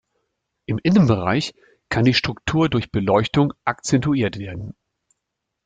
Im Innenbereich kann die Struktur durch Beleuchtung akzentuiert werden.